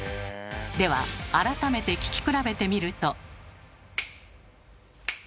では改めて聴き比べてみると。